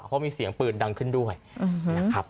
เพราะมีเสียงปืนดังขึ้นด้วยนะครับ